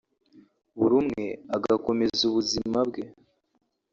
buri umwe agakomeza ubuzima bwe